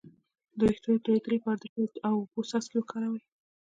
د ویښتو د تویدو لپاره د پیاز او اوبو څاڅکي وکاروئ